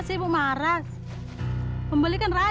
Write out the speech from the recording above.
sayur di kota